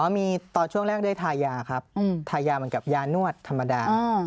มีตอนช่วงแรกได้ทายาครับทายาเหมือนกับยานวดธรรมดา